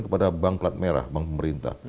kepada bank plat merah bank pemerintah